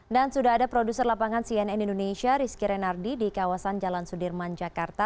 dan sudah ada produser lapangan cnn indonesia rizky renardi di kawasan jalan sudirman jakarta